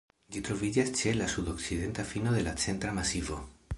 Ĝi troviĝas ĉe la sudokcidenta fino de la Centra Masivo.